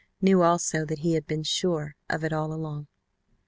Knew also that he had been sure of it all along.